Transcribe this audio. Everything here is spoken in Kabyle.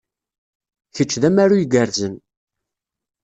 Kečč d amaru igerrzen.